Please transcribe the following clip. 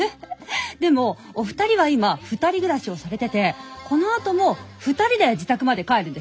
でもお二人は今２人暮らしをされててこのあとも２人で自宅まで帰るんでしょ？